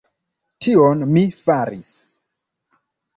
Tion mi faris!